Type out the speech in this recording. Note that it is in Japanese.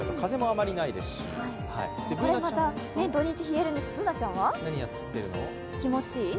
また土日冷えるんですがＢｏｏｎａちゃんは、気持ちいい？